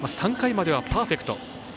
３回まではパーフェクト。